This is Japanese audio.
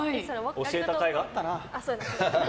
教えたかいがあったな。